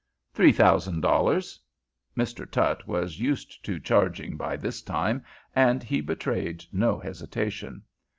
"Three thousand dollars." Mr. Tutt was used to charging by this time, and he betrayed no hesitation.